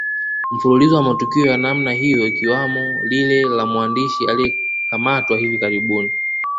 Mfululizo wa matukio ya namna hiyo ikiwamo lile la mwandishi aliyekamatwa hivi karibuni